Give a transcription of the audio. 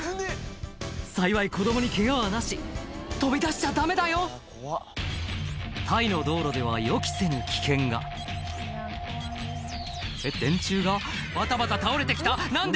幸い子供にケガはなし飛び出しちゃダメだよタイの道路では予期せぬ危険がえっ電柱がバタバタ倒れて来た何で？